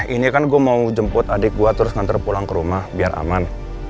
ini kan gue mau jemput adik gue terus ngantar pulang ke rumah biar aman